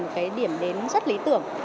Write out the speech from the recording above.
một cái điểm đến rất lý tưởng